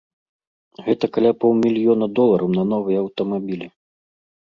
Гэта каля паўмільёна долараў на новыя аўтамабілі.